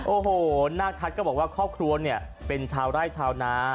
โอ้โหนาคทัศน์ก็บอกว่าครอบครัวเนี่ยเป็นชาวไร่ชาวนา